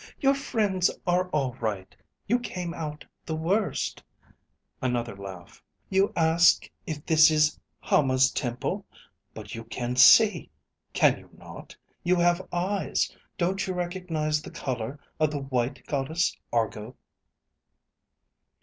"Your friends are all right. You came out the worst." Another laugh. "You ask if this is Hama's temple? But you can see, can you not? You have eyes. Don't you recognize the color of the White Goddess Argo?"